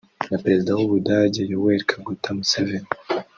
na Perezida w’u Bugande Yoweri Kaguta Museveni